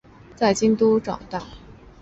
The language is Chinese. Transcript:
在东京都长大。